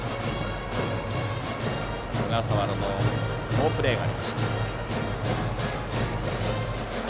小笠原の好プレーがありました。